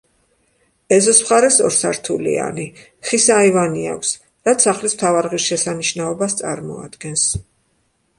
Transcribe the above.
ეზოს მხარეს ორსართულიანი, ხის აივანი აქვს, რაც სახლის მთავარ ღირსშესანიშნაობას წარმოადგენს.